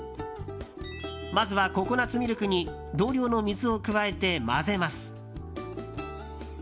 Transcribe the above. まずはココナツミルクに同量の水を加えて混ぜます。